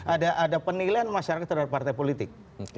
ada penilaian masyarakat terhadap partai politik